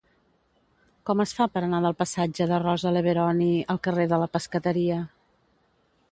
Com es fa per anar del passatge de Rosa Leveroni al carrer de la Pescateria?